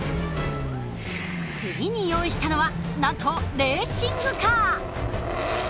次に用意したのはなんとレーシングカー。